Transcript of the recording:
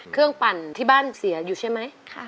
เครื่องปั่นที่บ้านเสียอยู่ใช่ไหมค่ะ